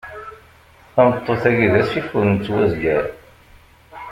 Tameṭṭut-agi d asif ur nettwazgar.